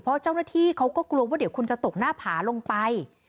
เพราะเจ้าหน้าที่เขาก็กลัวว่าเดี๋ยวคุณจะตกหน้าผาลงไป